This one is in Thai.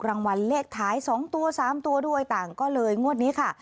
รางวัลเลขท้าย๒ตัว๓ตัวด้วยต่างก็เลยงวดนี้ค่ะ